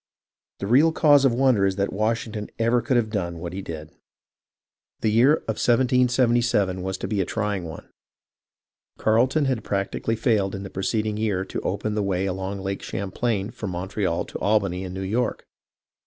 The real cause of wonder is that Washington ever could have done what he did. The year of 1777 was to be a trying one. Carleton had practically failed in the preceding year to open the way along Lake Champlain from Montreal to Albany and New York.